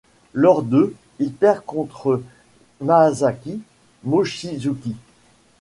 Lors de ', il perd contre Masaaki Mochizuki.